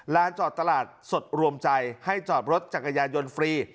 ลานจอดตลาดสดรวมใจให้จอดรถจักรยานยนต์ฟรี